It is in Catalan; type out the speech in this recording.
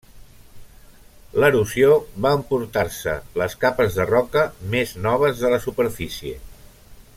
L'erosió va emportar-se les capes de roca més noves de la superfície.